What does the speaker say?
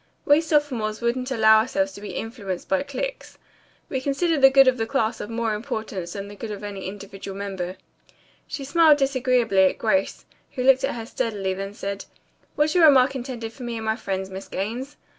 "We sophomores wouldn't allow ourselves to be influenced by cliques. We consider the good of the class of more importance than the good of any individual member." She smiled disagreeably at Grace, who looked at her steadily, then said, "Was your remark intended for me and my friends, Miss Gaines?"